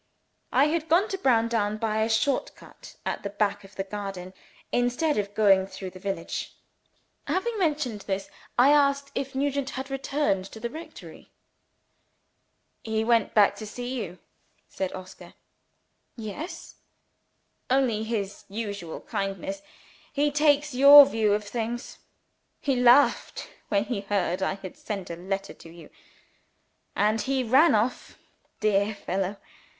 I had gone to Browndown by a short cut at the back of the garden, instead of going through the village. Having mentioned this, I asked if Nugent had returned to the rectory. "He went back to see you," said Oscar. "Why?" "Only his usual kindness. He takes your views of things. He laughed when he heard I had sent a letter to you, and he ran off (dear fellow!)